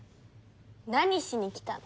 何しに来たの？